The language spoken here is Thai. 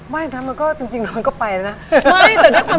ไม่นะมันก็จริงน้องก็ไปแหละนะ